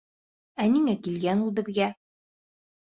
Ә ниңә килгән ул беҙгә?